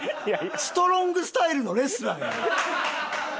ストロングスタイルのレスラーやん。